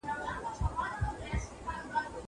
موږډیرسرونه ورکړه په دې لارکي نذرانه